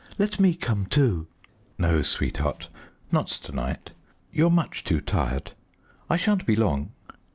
"Let me come, too." "No, sweetheart, not to night; you're much too tired. I shan't be long.